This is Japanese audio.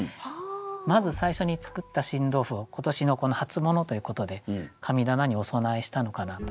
まず最初に作った新豆腐を今年の初物ということで神棚にお供えしたのかなという。